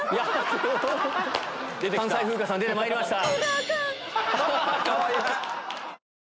関西風花さん出てまいりました。